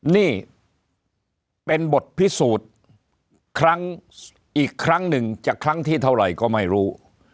นี่เป็นบทพิสูจน์ครั้งอีกครั้งหนึ่งจะครั้งที่เท่าไหร่ก็ไม่รู้